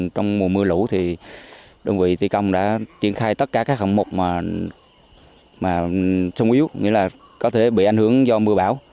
trong mùa mưa lũ thì đơn vị thi công đã triển khai tất cả các hạng mục mà sung yếu nghĩa là có thể bị ảnh hưởng do mưa bão